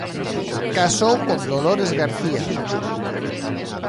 Casou con Dolores García.